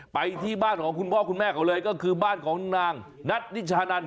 ไปที่บ้านของคุณพ่อคุณแม่เขาเลยก็คือบ้านของนางนัทนิชานัน